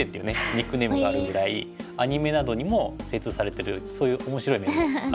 ニックネームがあるぐらいアニメなどにも精通されてるそういう面白い面がある先生ですね。